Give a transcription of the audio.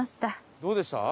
どうでした？